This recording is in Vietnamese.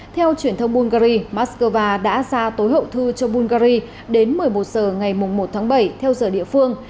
theo truyền thông bungary moscow đã ra tối hậu thư cho bungary đến một mươi một giờ ngày một tháng bảy theo giờ địa phương